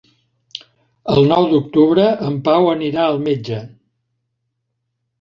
El nou d'octubre en Pau anirà al metge.